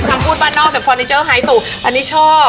คำพูดบ้านนอกแต่ฟอร์นิเจอร์ไฮโซอันนี้ชอบ